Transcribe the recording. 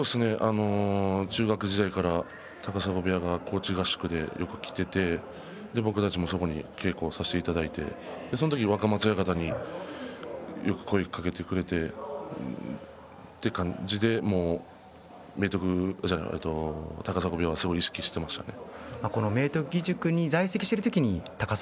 中学時代から高砂部屋が高知合宿でよく来ていてそこで僕たちも稽古をさせていただいてその時に若松親方がよく声をかけてくれていてという感じで高砂部屋をすごい意識していましたね。